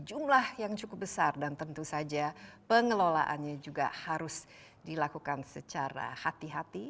jumlah yang cukup besar dan tentu saja pengelolaannya juga harus dilakukan secara hati hati